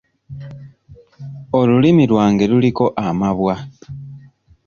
Olulimi lwange luliko amabwa.